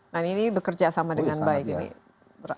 nah ini bekerja sama dengan baik ini